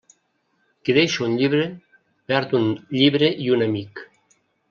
Qui deixa un llibre, perd un llibre i un amic.